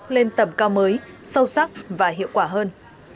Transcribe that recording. lên tầm cao mới sâu sắc và hiệu quả hơn